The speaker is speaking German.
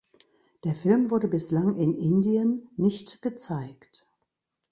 Der Film wurde bislang in Indien nicht gezeigt.